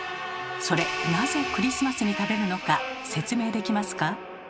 それなぜクリスマスに食べるのか説明できますか？